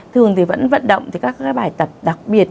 thường thì vẫn vận động thì các cái bài tập đặc biệt